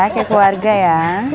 kayak keluarga ya